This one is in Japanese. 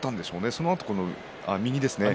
そのあと右ですね